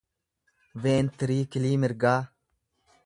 ventiriikilii mirgaa